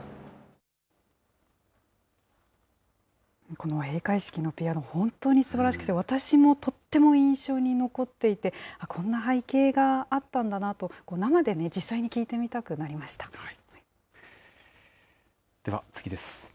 この閉会式のピアノ、本当にすばらしくて、私もとっても印象に残っていて、こんな背景があったんだなって、生でね、では次です。